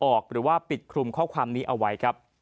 ออกหรือว่าปิดคลุมข้อความนี้เอาไว้